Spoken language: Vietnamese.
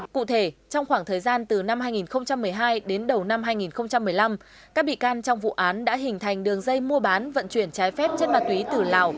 cụ thể trong khoảng thời gian từ năm hai nghìn một mươi hai đến đầu năm hai nghìn một mươi năm các bị can trong vụ án đã hình thành đường dây mua bán vận chuyển trái phép chất ma túy từ lào